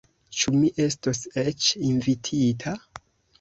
Ĉu mi estos eĉ invitita?